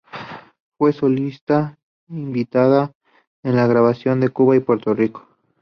Fue solista invitada en la grabación Cuba y Puerto Rico.